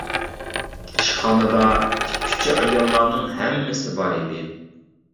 ئىشخانىدا تىككۈچى ئاياللارنىڭ ھەممىسى بار ئىدى.